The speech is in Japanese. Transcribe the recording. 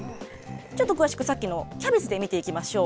ちょっと詳しくさっきのキャベツで見ていきましょう。